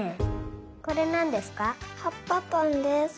これなんですか？